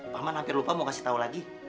paman hampir lupa mau kasih tahu lagi